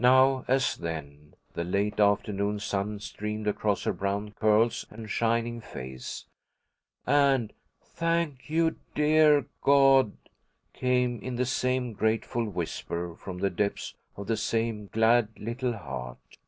Now, as then, the late afternoon sun streamed across her brown curls and shining face, and "Thank you, dear God," came in the same grateful whisper from the depths of the same glad little heart.